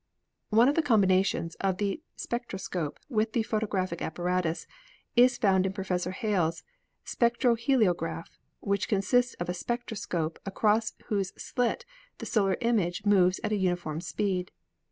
One of the combinations of the spectroscope with the photographic apparatus is found in Professor Hale's spec troheliograph, which consists of a spectroscope across whose slit the solar image moves at a uniform speed.